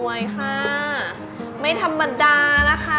ค่ะไม่ธรรมดานะคะ